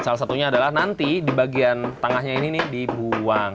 salah satunya adalah nanti di bagian tengahnya ini dibuang